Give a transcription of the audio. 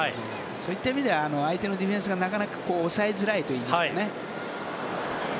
そういった意味では相手のディフェンスがなかなか抑えづらいといいますかね。